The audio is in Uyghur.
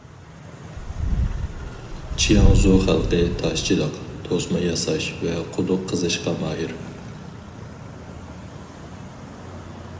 چياڭزۇ خەلقى تاشچىلىق، توسما ياساش ۋە قۇدۇق قېزىشقا ماھىر.